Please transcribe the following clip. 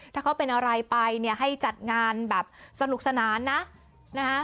ถ้าเขาเป็นอะไรไปเนี่ยให้จัดงานแบบสนุกสนานนะนะฮะ